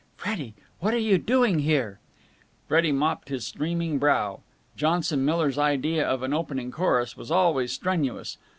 "Freddie, what are you doing here?" Freddie mopped his streaming brow. Johnson Miller's idea of an opening chorus was always strenuous.